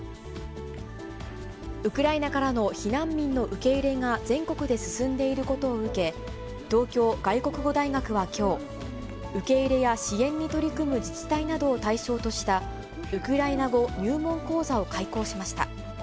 ウクライナからの避難民の受け入れが全国で進んでいることを受け、東京外国語大学はきょう、受け入れや支援に取り組む自治体などを対象とした、ウクライナ語入門講座を開講しました。